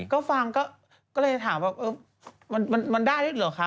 ก็ฟังก็เลยถามว่ามันได้ด้วยเหรอคะ